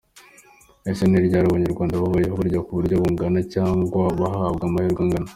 ese ni ryari abanyarwanda babayeho barya ku buryo bungana cyangwa bahabwa amahirwe angana?